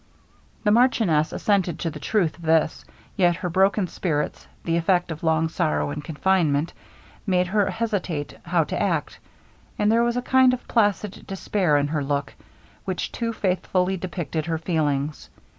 The marchioness assented to the truth of this, yet her broken spirits, the effect of long sorrow and confinement, made her hesitate how to act; and there was a kind of placid despair in her look, which too faithfully depicted her feelings.